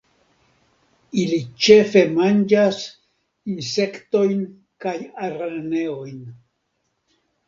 Ili ĉefe manĝas insektojn kaj araneojn.